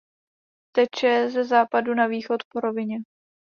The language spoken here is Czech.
Teče ze západu na východ po rovině.